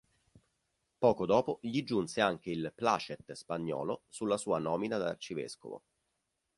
Poco dopo gli giunse anche il "placet" spagnolo sulla sua nomina ad arcivescovo.